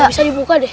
gak bisa dibuka deh